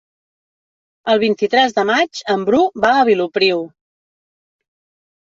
El vint-i-tres de maig en Bru va a Vilopriu.